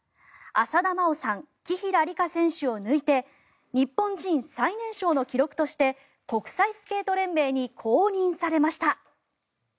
浅田真央さん、紀平梨花選手を抜いて日本人最年少の記録として国際スケート連盟に公認されました。